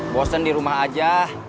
bosen di rumah aja